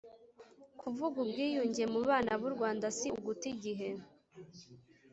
kuvuga ubwiyunge mu bana b’u rwanda si uguta igihe